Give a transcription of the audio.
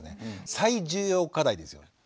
最重要課題ですよね。